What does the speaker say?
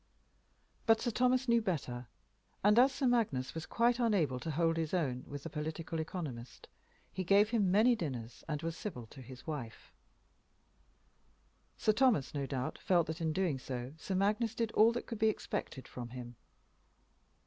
But Sir Thomas knew better, and as Sir Magnus was quite unable to hold his own with the political economist, he gave him many dinners and was civil to his wife. Sir Thomas, no doubt, felt that in doing so Sir Magnus did all that could be expected from him.